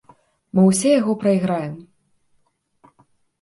Мы ўсе яго прайграем.